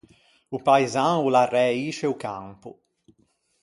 O paisan o l’arræisce o campo.